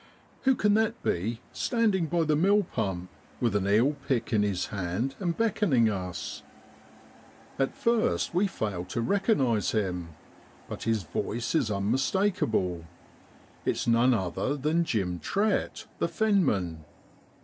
Who can that be standing by the pump mill, with an eel pick in his hand, and beckoning us ? At first we fail to recognise him, but his voice is unmis takeable it's none other than Jim Trett, the fenman.